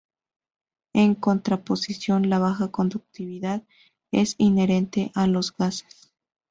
En contraposición, la baja conductividad es inherente a los gases.